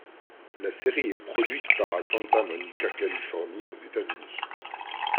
La série est produite par à Santa Monica, Californie, aux États-Unis.